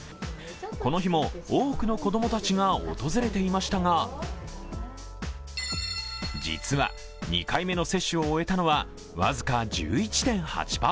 この日も多くの子供たちが訪れていましたが、実は２回目の接種を終えたのは僅か１１．８％。